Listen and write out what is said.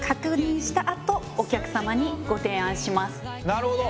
なるほど。